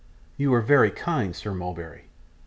You are very kind, Sir Mulberry.